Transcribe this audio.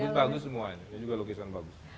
bagus bagus semua ini ini juga lukisan bagus